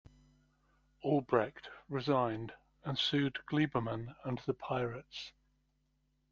Albrecht resigned and sued Glieberman and the Pirates.